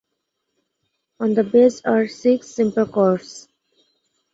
On the base are six simple cords.